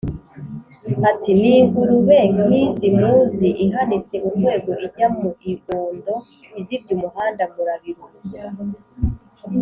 Ati: "Ni ingurube nk'izi muzi! Ihanitse urwego ijya mu ibondo Izibye umuhanda murabiruzi.